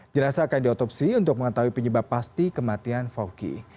jenasa akan diotopsi untuk mengetahui penyebab pasti kematian fawki